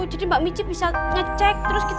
jadi mbak mici bisa ngecek terus kita